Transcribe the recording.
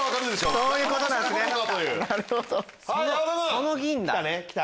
その銀だ。